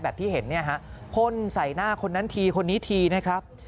ที่เห็นเนี่ยฮะพ่นใส่หน้าคนนั้นทีคนนี้ทีนะครับ